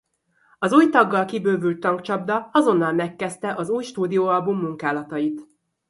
Az új taggal kibővült Tankcsapda azonnal megkezdte az új stúdióalbum munkálatait.